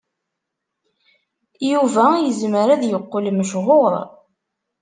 Yuba yezmer ad yeqqel mechuṛ.